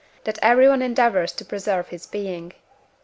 that everyone endeavours to preserve his being.